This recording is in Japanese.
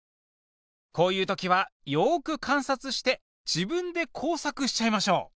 こういう時はよく観察して自分で工作しちゃいましょう。